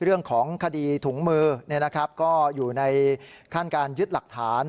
เรื่องของคดีถุงมือเนี่ยนะครับก็อยู่ในขั้นการยึดหลักฐาน